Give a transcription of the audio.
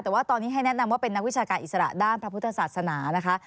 แต่ว่าตอนนี้ให้แนะนำว่าเป็นนักวิชาการอิสระด้านพระพุทธศาสนานะคะ